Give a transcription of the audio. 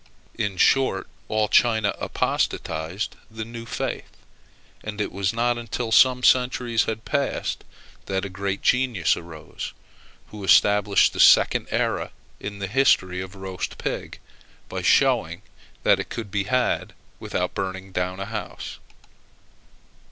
In short, all China apostatized to the new faith; and it was not until some centuries had passed, that a great genius arose, who established the second era in the history of roast pig, by showing that it could be had without burning down a house.